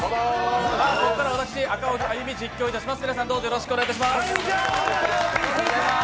ここからは私、赤荻歩が実況いたします。